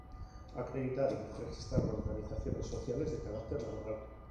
Acreditar y registrar organizaciones sociales de carácter laboral.